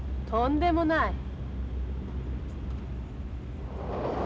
とんでもない！